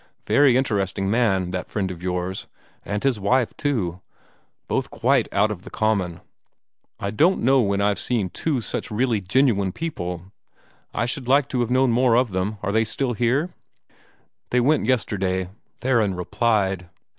Very interesting man, that friend of yours. And his wife, too both quite out of the common. I don't know when I've seen two such really genuine people. I should like to have known more of them. Are they still here?" "They went yesterday," Theron replied.